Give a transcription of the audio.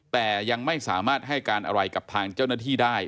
แต่ยังไม่สามารถให้การอะไรกับทางเจ้าหน้าที่ได้